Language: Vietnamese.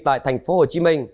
tại thành phố hồ chí minh